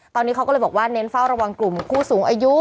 ตอนนี้เขาก็เลยบอกว่าเน้นเฝ้าระวังกลุ่มผู้สูงอายุ